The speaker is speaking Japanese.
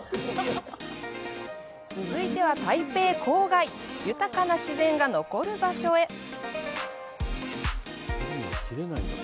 続いては、台北郊外豊かな自然が残る場所へ。